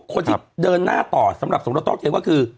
คนที่เดินหน้าต่อสำหรับสมรสโต้เทียมก็คือ